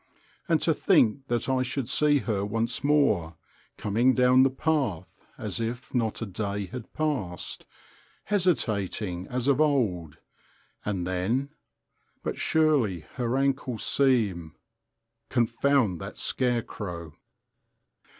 And to think that I should see her once more, coming down the path as if not a day had passed, hesitating as of old, and then—but surely her ankles seem—Confound that scarecrow!...